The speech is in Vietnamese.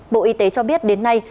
bộ y tế cho biết đến nay